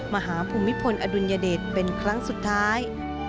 ภูมิพลอดุลยเดชเป็นครั้งสุดท้าย